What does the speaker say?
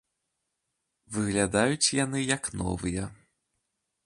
Выглядаюць яны як новыя.